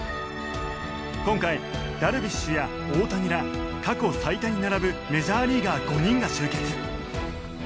今回ダルビッシュや大谷ら過去最多に並ぶメジャーリーガー５人が集結。